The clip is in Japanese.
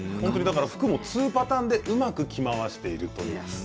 服も２パターンでうまく着回しているんです。